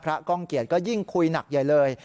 ก้องเกียจก็ยิ่งคุยหนักใหญ่เลย